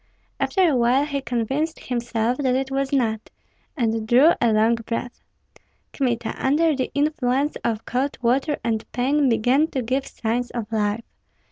After a while he convinced himself that it was not, and drew a long breath. Kmita, under the influence of cold water and pain, began to give signs of life.